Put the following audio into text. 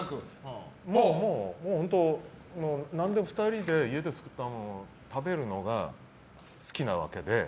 もう本当家で作ったものを食べるのが好きなわけで。